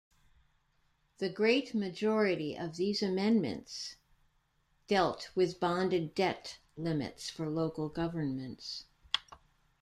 The great majority of these amendments dealt with bonded debt limits for local governments.